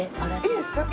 いいですか？